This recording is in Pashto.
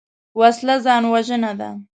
وسله ځان وژنه ده